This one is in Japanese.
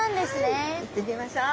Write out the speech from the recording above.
はい行ってみましょう。